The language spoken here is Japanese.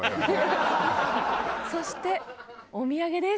そしてお土産です。